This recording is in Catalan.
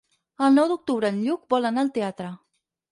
El nou d'octubre en Lluc vol anar al teatre.